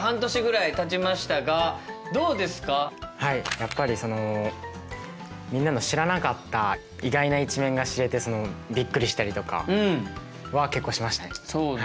やっぱりそのみんなの知らなかった意外な一面が知れてびっくりしたりとかは結構しましたね。